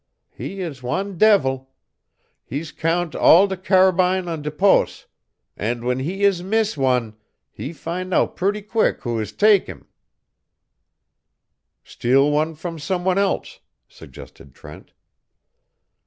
He is wan devil. He's count all de carabine on dis pos', an' w'en he is mees wan, he fin' out purty queek who is tak' heem." "Steal one from someone else," suggested Trent.